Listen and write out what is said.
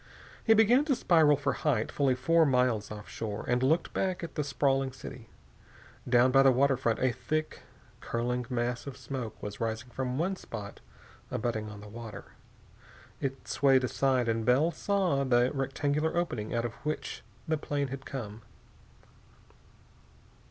He began to spiral for height fully four miles offshore, and looked back at the sprawling city. Down by the waterfront a thick, curling mass of smoke was rising from one spot abutting on the water. It swayed aside and Bell saw the rectangular opening out of which the plane had come.